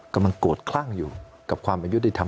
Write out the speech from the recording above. กำลังโกรธคลั่งอยู่กับความเป็นยุติธรรม